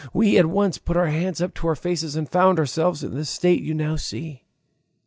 We at once put our hands up to our faces and found ourselves in the state you now see."